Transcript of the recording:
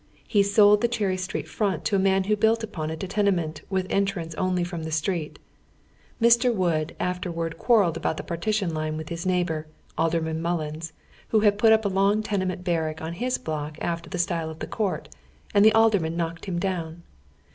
lie sold the Clierry Street front to a man who built upon it a tenement with entrance only from the street, Mr. "Wood afterward quar relled about the partition line with his neighboi , Aldei man Mullins, who had pnt up a long tenement barrack on his lot after the style of the Court, and the Alderman oy Google ;!8 HOW THE OXlIKi: JtALF LIVES. knocked hiin down.